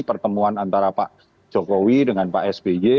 pertemuan antara pak jokowi dengan pak sby